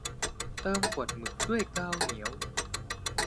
เติมขวดหมึกด้วยกาวเหนียว